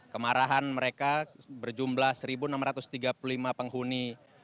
kemarahan mereka berjumlah satu enam ratus tiga puluh lima penghuni